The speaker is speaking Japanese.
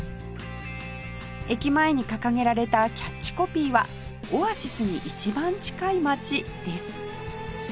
駅前に掲げられたキャッチコピーは「オアシスにいちばん近い街」です